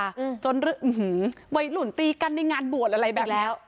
อืมจนอืมหือไหวหลุนตีกันในงานบวชอะไรแบบอีกแล้ว